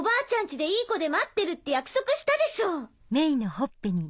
家でいい子で待ってるって約束したでしょう。